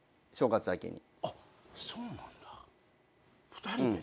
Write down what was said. ２人で？